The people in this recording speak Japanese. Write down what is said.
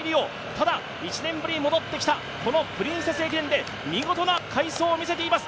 ただ、１年ぶりに戻ってきたこのプリンセス駅伝で見事な快走を見せています。